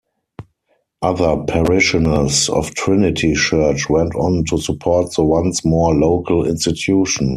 Other parishioners of Trinity Church went on to support the once more local institution.